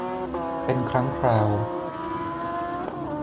เป็นครั้งคราว